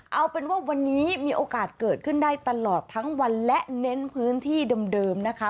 เอาเป็นว่าวันนี้มีโอกาสเกิดขึ้นได้ตลอดทั้งวันและเน้นพื้นที่เดิมนะคะ